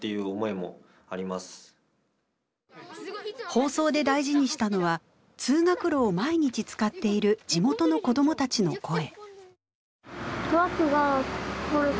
放送で大事にしたのは通学路を毎日使っている地元の子どもたちの声。